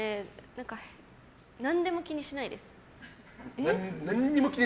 何でも気にしないです。